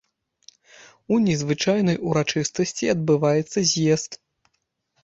У незвычайнай урачыстасці адбываецца з'езд.